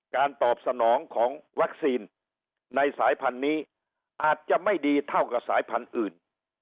การตอบสนองของวัคซีนในสายพันธุ์นี้อาจจะไม่ดีเท่ากับสายพันธุ์อื่น